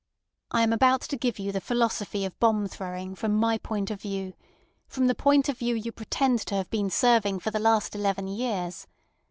I am about to give you the philosophy of bomb throwing from my point of view; from the point of view you pretend to have been serving for the last eleven years.